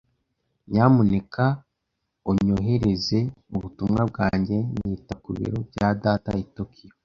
Nyamuneka onyoherereza ubutumwa bwanjye nita ku biro bya data i Tokiyo.